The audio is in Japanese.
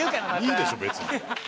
いいでしょ別に。